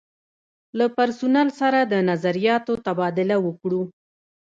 له پرسونل سره د نظریاتو تبادله وکړو.